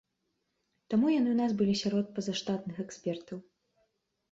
Таму яны ў нас былі сярод пазаштатных экспертаў.